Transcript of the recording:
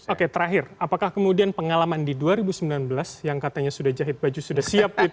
oke terakhir apakah kemudian pengalaman di dua ribu sembilan belas yang katanya sudah jahit baju sudah siap